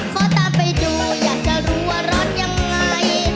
ขอตามไปดูอยากจะรู้ว่ารถยังไง